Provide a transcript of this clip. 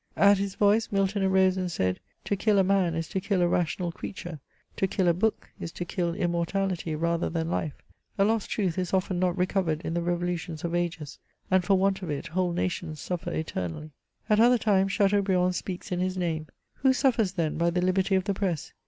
At his voice Milton arose and said : "To kill a man is to kill a rational creature ; to kill a hook is to kill immor tality rather than life. A lost truth is often not recovered in the revolutions uf ages, and for want of it whole nations suffer eternally." At other times Chateauhriand speaks in his name :" Who suffers then hy the liherty of the press?